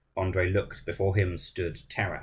Andrii looked; before him stood Taras!